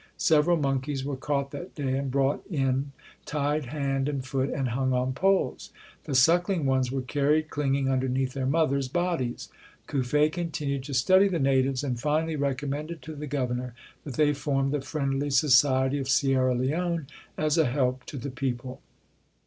Several monkeys were caught that day and brought in tied hand and foot and hung on poles. The suckling ones were carried clinging underneath their mothers' bodies. Cuffe continued to study the natives and finally recommended to the Governor that they form ''The Friendly Society of Sierra Leone" as a help to the people.